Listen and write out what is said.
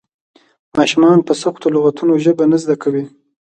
ماشومان په سختو لغتونو ژبه نه زده کوي.